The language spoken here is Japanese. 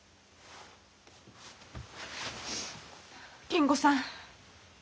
金吾さん。